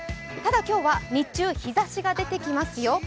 ただ、今日は日中、日ざしが出てきますよ。